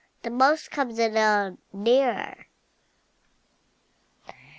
The Mouse comes a little nearer.